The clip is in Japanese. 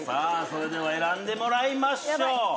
それでは選んでもらいましょうヤバい